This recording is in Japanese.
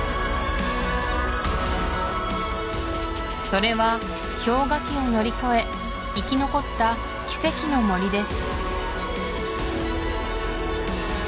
それは氷河期を乗り越え生き残った奇跡の森です